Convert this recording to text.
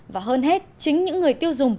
và hơn hết chính những người tiêu dùng